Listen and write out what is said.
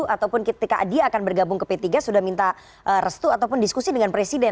ataupun ketika dia akan bergabung ke p tiga sudah minta restu ataupun diskusi dengan presiden